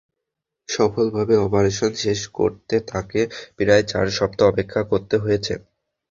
সফলভাবে অপারেশন শেষ করতে তাঁকে প্রায় চার সপ্তাহ অপেক্ষা করতে হয়েছে।